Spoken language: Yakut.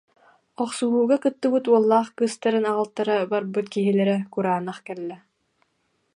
Охсуһууга кыттыбыт уоллаах кыыстарын аҕалтара барбыт киһилэрэ кураанах кэллэ